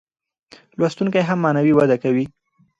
لوستونکی هم معنوي وده کوي.